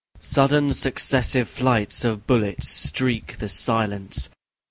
Sudden successive flights of bullets streak the silence.